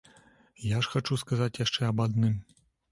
Я ж хачу сказаць яшчэ аб адным.